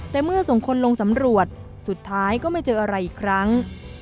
แต่เมื่อส่งคนลงสำรวจสุดท้ายก็ไม่เจออะไรอีกครั้ง